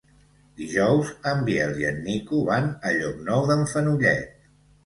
Dijous en Biel i en Nico van a Llocnou d'en Fenollet.